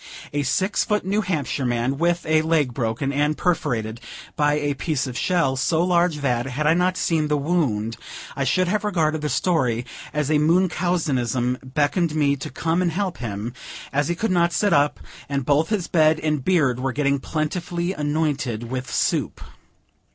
A six foot New Hampshire man, with a leg broken and perforated by a piece of shell, so large that, had I not seen the wound, I should have regarded the story as a Munchausenism, beckoned me to come and help him, as he could not sit up, and both his bed and beard were getting plentifully anointed with soup.